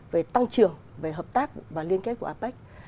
về tăng trưởng về hợp tác và liên kết của apec